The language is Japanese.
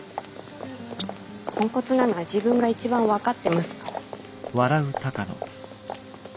ポンコツなのは自分が一番分かってますから。